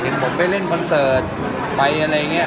ผมไปเล่นคอนเสิร์ตไปอะไรอย่างนี้